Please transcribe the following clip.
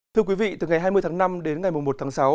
thưa quý vị từ ngày hai mươi tháng năm đến ngày một tháng sáu